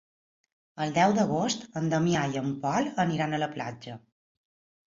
El deu d'agost en Damià i en Pol aniran a la platja.